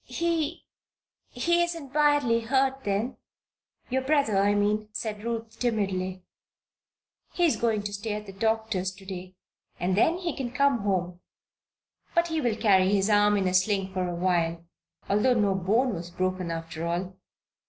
"He he isn't badly hurt, then your brother, I mean?" said Ruth, timidly. "He is going to stay at the doctor's to day, and then he can come home. But he will carry his arm in a sling for a while, although no bone was broken, after all.